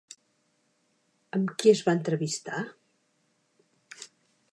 Amb qui es va entrevistar?